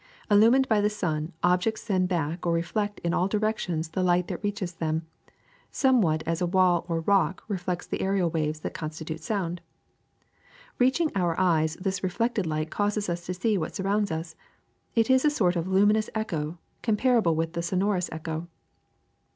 *^ Illumined by the sun, objects send back or reflect in all directions the light that reaches them, some what as a wall or rock reflects the aerial waves that constitute sound. Reaching our eyes, this reflected light causes us to see what surrounds us ; it is a sort of luminous echo comparable with the sonorous echo.